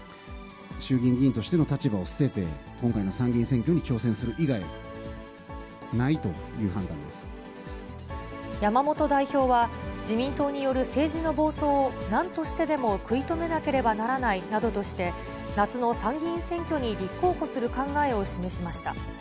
衆議院議員としての立場を捨てて、今回の参議院選挙に挑戦する以外山本代表は、自民党による政治の暴走をなんとしてでも食い止めなければならないなどとして、夏の参議院選挙に立候補する考えを示しました。